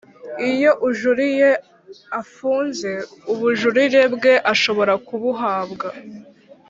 Iyo ujuriye afunze ubujurire bwe ashobora kubuhabwa